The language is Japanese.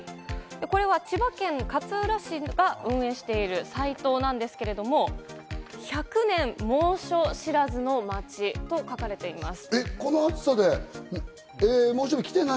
これは千葉県勝浦市が運営しているなんですけれども、１００年猛暑知らずの街と書かれています。